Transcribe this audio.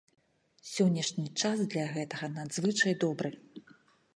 Сённяшні час для гэтага надзвычай добры.